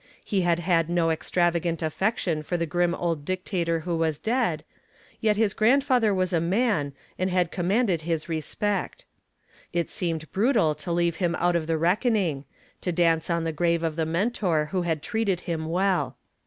He had had no extravagant affection for the grim old dictator who was dead, yet his grandfather was a man and had commanded his respect. It seemed brutal to leave him out of the reckoning to dance on the grave of the mentor who had treated him well.